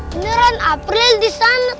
beneran april disana